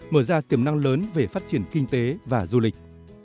mở ra tiềm năng lớn về phát triển kinh tế và du lịch